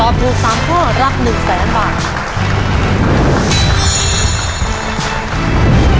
ตอบถูก๓ข้อรับ๑๐๐๐๐๐บาท